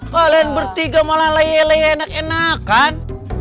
kalian bertiga malah laye laye enak enakan